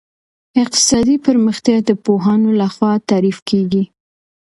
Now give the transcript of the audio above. اقتصادي پرمختيا د پوهانو لخوا تعريف کيږي.